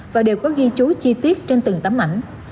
và đều có ghi chú chi tiết trên từng tấm ảnh